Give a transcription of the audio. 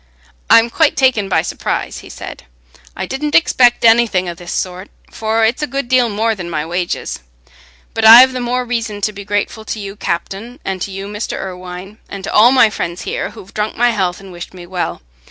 "I'm quite taken by surprise," he said. "I didn't expect anything o' this sort, for it's a good deal more than my wages. But I've the more reason to be grateful to you, Captain, and to you, Mr. Irwine, and to all my friends here, who've drunk my health and wished me well.